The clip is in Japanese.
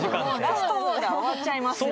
ラストオーダー終わっちゃいますよね。